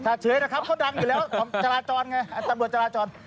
ถ้าเฉยนะครับเขาดังอยู่แล้วของจราจรไงตำรวจจราจร